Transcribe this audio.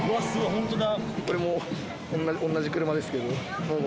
本当だ。